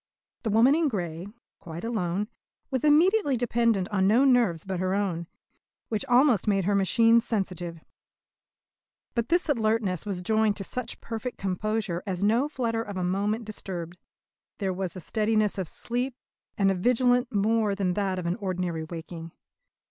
The woman in grey, quite alone, was immediately dependent on no nerves but her own, which almost made her machine sensitive. But this alertness was joined to such perfect composure as no flutter of a moment disturbed. There was the steadiness of sleep, and a vigilance more than that of an ordinary waking.